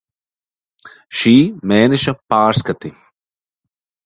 Šī mēneša pārskati.